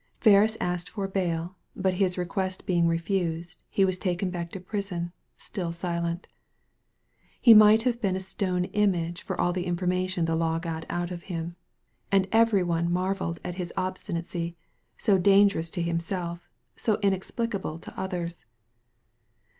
Ferris asked for bail, but his request being refused, he was taken back to prison, still silent. He might have been a stone image for all the information the law got out of him ; and every one marvelled at his obstinacy, so dangerous to himself, so inexplicable to others.